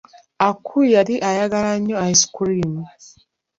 Aku yali ayagala nnyo ice cream.